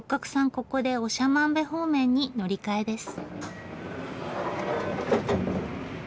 ここで長万部方面に乗り換えです。